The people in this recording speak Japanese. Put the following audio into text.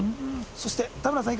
そして田村さん